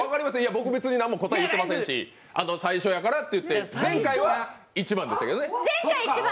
僕、普通に何も答え言ってないし、最初やからっていって前回は１番でしたけどね。